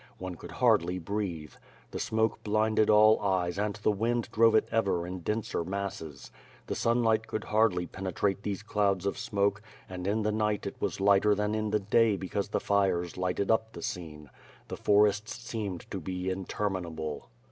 One could hardly breathe. The smoke blinded all eyes and the wind drove it ever in denser masses. The sunlight could hardly penetrate these clouds of smoke, and in the night it was lighter than in the day because the fires lighted up the scene. The forests seemed to be intenninable.